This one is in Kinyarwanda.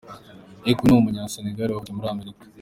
Akon ni Umunyasenegale wavukiye muri Amerika.